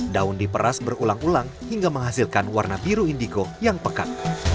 daun diperas berulang ulang hingga menghasilkan warna biru indigo yang pekat